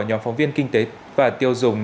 nhóm phóng viên kinh tế và tiêu dùng